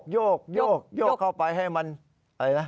โยกเข้าไปให้มันอะไรนะ